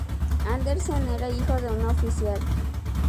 Andersen era hijo de un oficial.